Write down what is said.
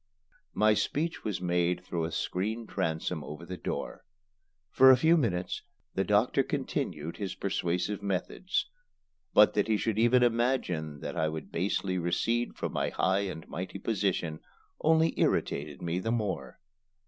My speech was made through a screen transom over the door. For a few minutes the doctor continued his persuasive methods, but that he should even imagine that I would basely recede from my high and mighty position only irritated me the more.